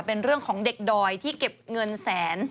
เป็นเรื่องของเด็กดอยที่เก็บเงินแสน